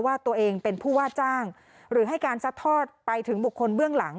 ว่าตัวเองเป็นผู้ว่าจ้างหรือให้การซัดทอดไปถึงบุคคลเบื้องหลัง